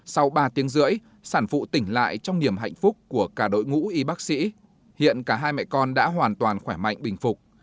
sau ba tiếng rưỡi sản phụ tỉnh lại trong niềm hạnh phúc của cả đội ngũ y bác sĩ hiện cả hai mẹ con đã hoàn toàn khỏe mạnh bình phục